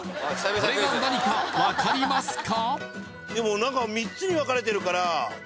これが何かわかりますか？